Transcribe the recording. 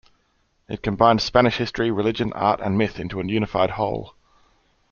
It combines Spanish history, religion, art, and myth into a unified whole.